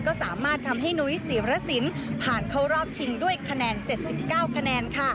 ก็สามารถทำให้นุ้ยศิรสินผ่านเข้ารอบชิงด้วยคะแนน๗๙คะแนน